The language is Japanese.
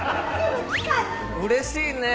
うれしいね。